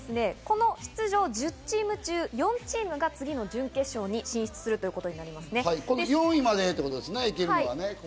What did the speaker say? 出場１０チーム中４チームが次の準決勝に進出するということ４位までですね。